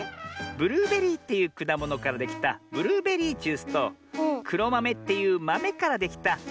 ブルーベリーっていうくだものからできたブルーベリージュースとくろまめっていうまめからできたくろまめジュースだよ。